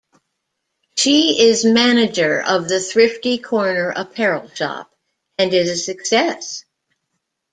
She is manager of the Thrifty Corner Apparel Shoppe, and is a success.